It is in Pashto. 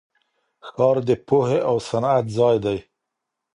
ښار د پوهې او صنعت ځای دی.